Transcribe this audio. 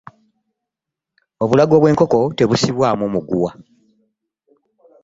Obulago bw'enkoko tebusibwamu muguwa.